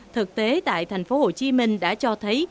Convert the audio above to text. thực tế tại thành phố hồ chí minh đã cho thấy